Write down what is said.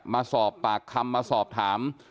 มาสอบปากคำมาสอบถาม